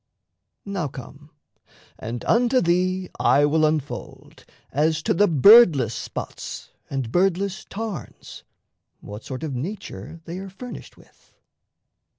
Now come; and unto thee I will unfold, As to the Birdless spots and Birdless tarns, What sort of nature they are furnished with.